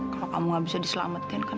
kalau kamu gak bisa diselamatkan kan